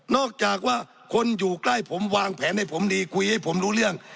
จากว่าคนอยู่ใกล้ผมวางแผนให้ผมดีคุยให้ผมรู้เรื่อง